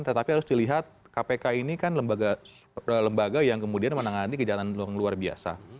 tetapi harus dilihat kpk ini kan lembaga yang kemudian menangani kejahatan luar yang luar biasa